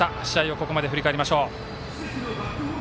ここまで振り返りましょう。